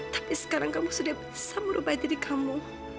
tapi sekarang kamu sudah bisa merubahi diri kamu